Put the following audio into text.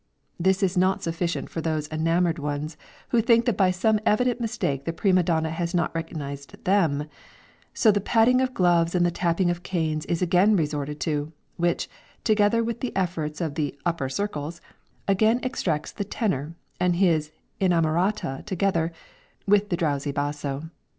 This is not sufficient for those enamoured ones who think that by some evident mistake the prima donna has not recognised them, so the patting of gloves and the tapping of canes is again resorted to, which, together with the efforts of the "upper circles," again extracts the tenor and his "inamorata" together, with the drowsy basso.